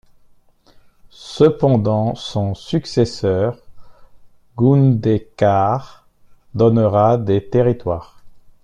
Cependant, son successeur, Gundekar donnera des territoires.